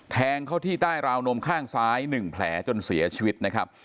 แทงเข้าที่ใต้ราวนมข้างซ้าย๑แผลจนเสียชีวิตนะครับ